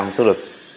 một trăm linh sức lực